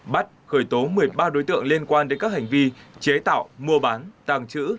bắt khởi tố một mươi ba đối tượng liên quan đến các hành vi chế tạo mua bán tàng trữ